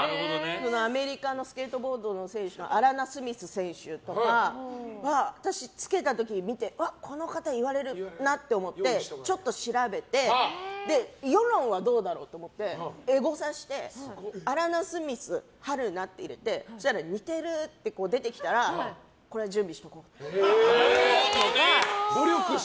アメリカのスケートボードの選手のアラナ・スミス選手とかは私、つけた時に見てこの方、言われるなって思ってちょっと調べて世論はどうだろうと思ってエゴサしてアラナ・スミス、春菜って入れて似てるって出てきたらこれは準備しておこうとか。